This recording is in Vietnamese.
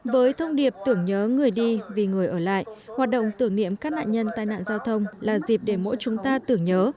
với thông điệp tưởng nhớ người đi vì người ở lại hoạt động tưởng niệm các nạn nhân tai nạn giao thông là dịp để mỗi chúng ta tưởng nhớ